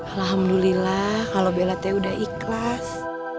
alhamdulillah kalau bella t udah ikhlas